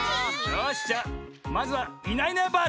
よしじゃあまずは「いないいないばあっ！」